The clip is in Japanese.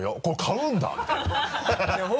「これ買うんだ！？」